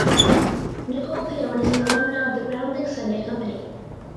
Nicol Paone is an alumna of the Groundlings Sunday Company.